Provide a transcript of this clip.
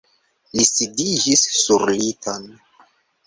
Li sidiĝis sur liton.